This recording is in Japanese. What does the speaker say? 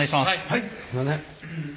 はいすいません。